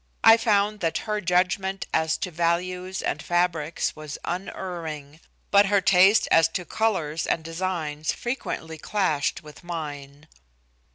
I found that her judgment as to values and fabrics was unerring. But her taste as to colors and designs frequently clashed with mine.